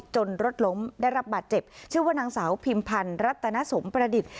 รถล้มได้รับบาดเจ็บชื่อว่านางสาวพิมพันธ์รัตนสมประดิษฐ์